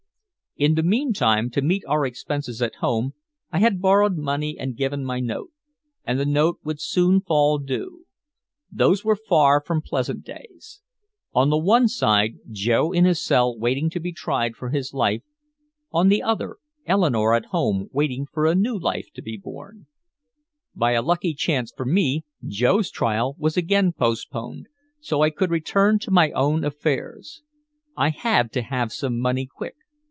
In the meantime, to meet our expenses at home, I had borrowed money and given my note. And the note would soon fall due. Those were far from pleasant days. On the one side Joe in his cell waiting to be tried for his life; on the other, Eleanore at home waiting for a new life to be born. By a lucky chance for me, Joe's trial was again postponed, so I could return to my own affairs. I had to have some money quick.